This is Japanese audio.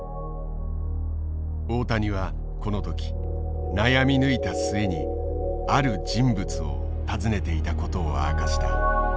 大谷はこの時悩み抜いた末にある人物を訪ねていたことを明かした。